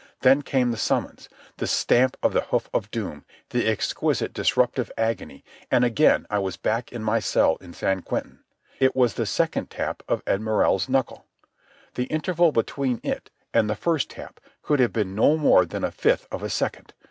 Then came the summons, the stamp of the hoof of doom, the exquisite disruptive agony, and again I was back in my cell in San Quentin. It was the second tap of Ed Morrell's knuckle. The interval between it and the first tap could have been no more than a fifth of a second.